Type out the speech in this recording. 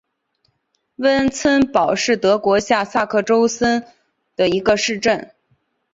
温岑堡是德国下萨克森州的一个市镇。